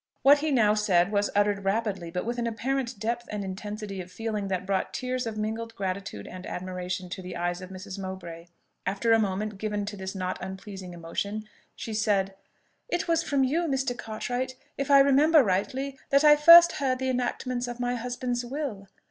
What he now said was uttered rapidly, but with an apparent depth and intensity of feeling that brought tears of mingled gratitude and admiration to the eyes of Mrs. Mowbray. After a moment given to this not unpleasing emotion, she said, "It was from you, Mr. Cartwright, if I remember rightly, that I first heard the enactments of my husband's will.